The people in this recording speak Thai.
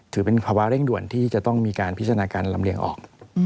ถือเป็นภาวะเร่งด่วนที่จะต้องมีการพิจารณาการลำเลียงออก